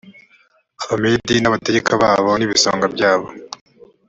abamedi n abategeka babo n ibisonga byabo